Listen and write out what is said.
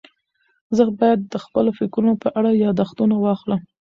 زه باید د خپلو فکرونو په اړه یاداښتونه واخلم.